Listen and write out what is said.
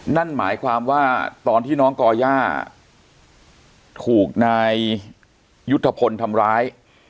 นั่นหมายความว่าตอนที่น้องก่อย่าถูกนายยุทธพลทำร้าย